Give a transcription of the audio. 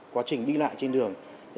quá trình đi lại trên đường